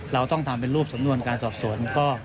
เราต้องทำเป็นรูปสำนวนการสอบสวน